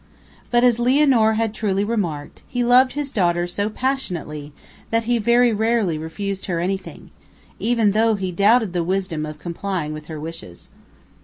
But as Lianor had truly remarked, he loved his daughter so passionately that he very rarely refused her anything, even though he doubted the wisdom of complying with her wishes.